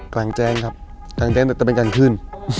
กลางแจ้งครับกลางแจ้งแต่จะเป็นกลางคืน